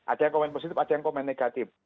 ada yang komen positif ada yang komen negatif